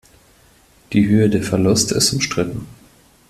Die Höhe der Verluste ist umstritten.